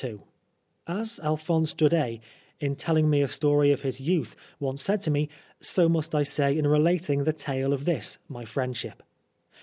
II As Alphonse Daudet, in telling me a story of his youth, once said to me, so must I say in relating the tale of this my friendship.